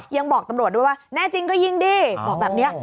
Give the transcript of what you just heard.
ยังบอกตำรวจด้วยว่าแน่จริงก็ยิงดีบอกแบบนี้